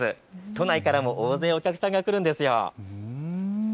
都内からも大勢お客さんが来るんですよ。